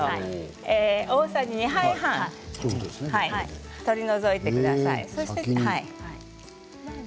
大さじ２杯半ですね取り除いてください。